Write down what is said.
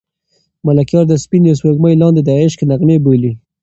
ملکیار د سپینې سپوږمۍ لاندې د عشق نغمې بولي.